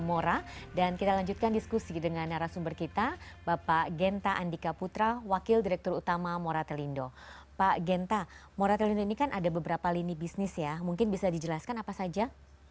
oke jadi kita akan mulai dari lini bisnis ya mungkin bisa dijelaskan apa saja